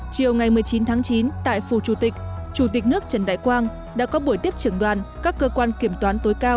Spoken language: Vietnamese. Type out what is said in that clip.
chiều ngày một mươi chín tháng chín tại phủ chủ tịch chủ tịch nước trần đại quang đã có buổi tiếp trưởng đoàn các cơ quan kiểm toán tối cao